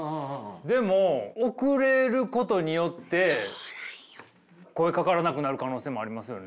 でも遅れることによって声かからなくなる可能性もありますよね。